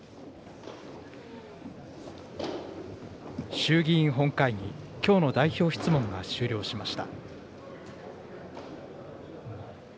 衆議院本会議、きょうの代表質問が終了しました。